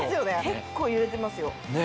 結構揺れてますよ。